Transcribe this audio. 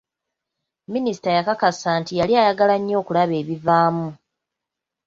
Minisita yakakasa nti yali ayagala nnyo okulaba ebivaamu .